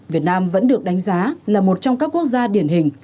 việt nam vẫn được đánh giá là một trong các quốc gia điển hình